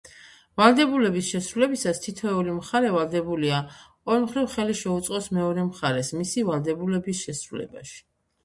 ვალდებულების შესრულებისას თითოეული მხარე ვალდებულია, ყოველმხრივ ხელი შეუწყოს მეორე მხარეს მისი ვალდებულების შესრულებაში.